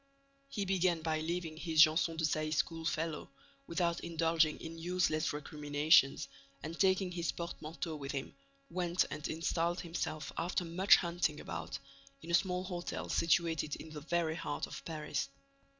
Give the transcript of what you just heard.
He began by leaving his Janson de Sailly schoolfellow, without indulging in useless recriminations, and, taking his portmanteau with him, went and installed himself, after much hunting about, in a small hotel situated in the very heart of Paris.